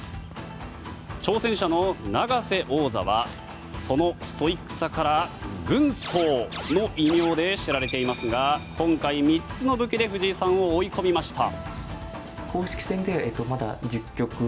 挑戦者の永瀬王座はそのストイックさから軍曹の異名で知られていますが今回、３つの武器で藤井さんを追い込みました。